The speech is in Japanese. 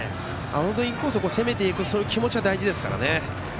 インコースを攻めていく気持ちは大事ですから。